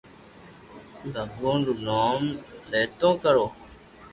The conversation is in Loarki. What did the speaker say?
بڀگوان رو نوم ليتو ڪر